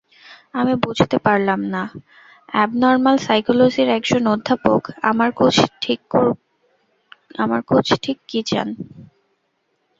আমি বুঝতে পারলাম না, অ্যাবনর্ম্যাল সাইকোলজির একজন অধ্যাপক আমার কুছ ঠিক কী চান?